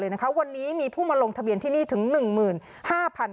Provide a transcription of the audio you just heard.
เลยนะคะวันนี้มีผู้มาลงทะเบียนที่นี่ถึงหนึ่งหมื่น